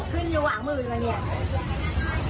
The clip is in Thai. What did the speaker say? ภรรณามือเปล่าเนี่ย